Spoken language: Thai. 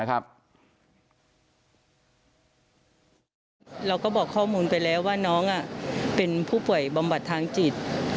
เราก็บอกข้อมูลไปแล้วว่าน้องเป็นผู้ป่วยบำบัดทางจิต